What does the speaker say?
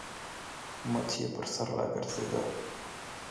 مچ يې پر سر راګرځېده.